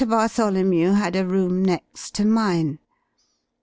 Bartholomew had a room next to mine.